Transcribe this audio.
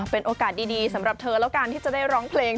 เป็นโอกาสดีสำหรับเธอแล้วกันที่จะได้ร้องเพลง